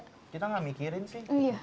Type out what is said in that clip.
kita gak mikirin sih